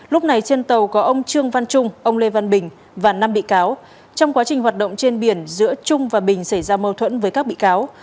lúc này trên tàu có ông trương văn trung ông lê văn bình và năm bị cáo trong quá trình hoạt động trên biển giữa trung và bình xảy ra mâu thuẫn với các bị cáo